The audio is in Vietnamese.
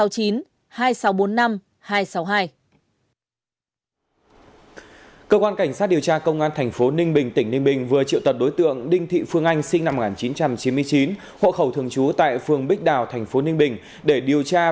cơ quan cảnh sát điều tra công an tp ninh bình tỉnh ninh bình vừa triệu tật đối tượng đinh thị phương anh sinh năm một nghìn chín trăm chín mươi chín hộ khẩu thường chú tại phường bích đào tp ninh bình